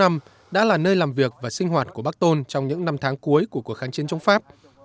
căn lán nhỏ đã là nơi làm việc và sinh hoạt của bác tôn trong những năm tháng cuối của cuộc kháng chiến chống pháp